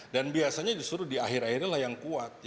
dan biasanya justru di akhir akhirnya yang kuat